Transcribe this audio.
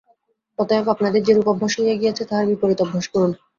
অতএব আপনাদের যেরূপ অভ্যাস হইয়া গিয়াছে, তাহার বিপরীত অভ্যাস করুন।